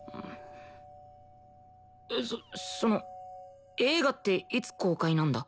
そその映画っていつ公開なんだ？